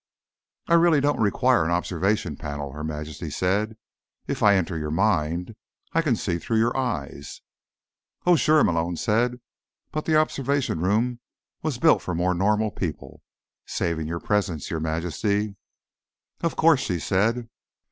"I really don't require an observation panel," Her Majesty said. "If I enter your mind, I can see through your eyes." "Oh, sure," Malone said. "But the observation room was built for more normal people—saving your presence, Your Majesty." "Of course," she said.